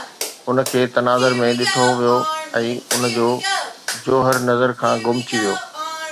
ان کي تناظر ۾ ڏٺو ويو ۽ ان جو جوهر نظر کان گم ٿي ويو